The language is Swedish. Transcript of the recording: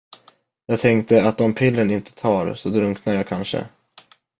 Jag tänkte att om pillren inte tar, så drunknar jag kanske.